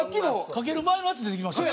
かける前のやつ出てきましたよ。